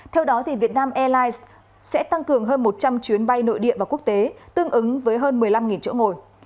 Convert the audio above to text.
theo đó việt nam airlines sẽ tăng cường hơn một trăm linh chuyến bay nội địa và quốc tế tương ứng với hơn một mươi năm chỗ ngồi